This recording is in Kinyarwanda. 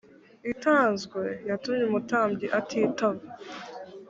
itanzwe yatumye umuburanyi atitaba